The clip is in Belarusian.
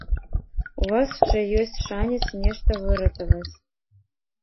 У вас шчэ ёсць шанец нешта выратаваць.